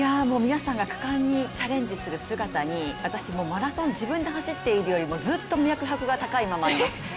皆さんが果敢にチャレンジする姿に、私、マラソン、自分で走っているよりもずっと脈拍が高いままです。